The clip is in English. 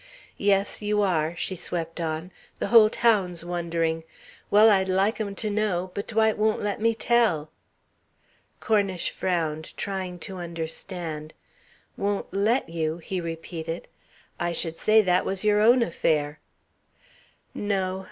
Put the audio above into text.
"Yes, you are," she swept on. "The whole town's wondering. Well, I'd like 'em to know, but Dwight won't let me tell." Cornish frowned, trying to understand. "'Won't let you!'" he repeated. "I should say that was your own affair." "No.